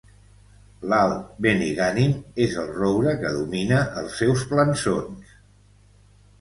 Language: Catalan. L'alt Benigànim és el roure que domina els seus plançons.